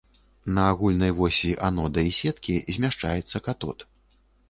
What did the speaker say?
На агульнай восі анода і сеткі змяшчаецца катод.